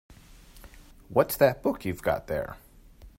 What's that book you've got there?